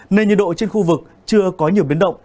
nên nhiệt độ trên khu vực chưa có nhiều biến động